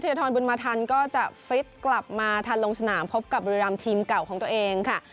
ธรบุญมาทันก็จะฟิตกลับมาทันลงสนามพบกับบุรีรำทีมเก่าของตัวเองค่ะ